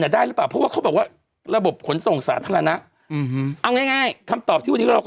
ได้แล้ว